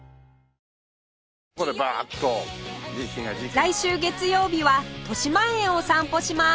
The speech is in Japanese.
来週月曜日は豊島園を散歩します